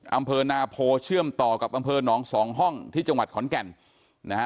อำเภอนาโพเชื่อมต่อกับอำเภอหนองสองห้องที่จังหวัดขอนแก่นนะฮะ